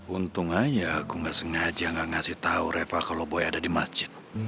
untung aja aku gak sengaja gak ngasih tau reva kalau boy ada di masjid